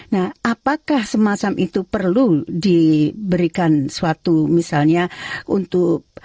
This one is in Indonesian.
nah apakah semacam itu perlu diberikan suatu misalnya untuk